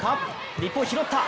日本、拾った。